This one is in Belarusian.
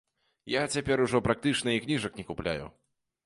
Я цяпер ужо практычна і кніжак не купляю.